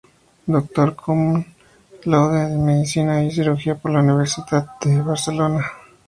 Doctor Cum Laude en Medicina y Cirugía por la Universitat de Barcelona.